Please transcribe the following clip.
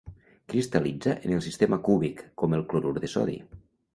Cristal·litza en el sistema cúbic com el clorur de sodi.